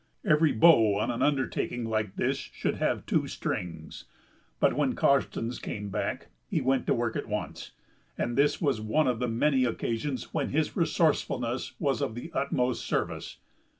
Every bow on an undertaking of this kind should have two strings. But when Karstens came back he went to work at once, and this was one of the many occasions when his resourcefulness was of the utmost service.